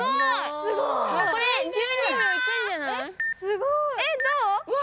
すごい！えっどう？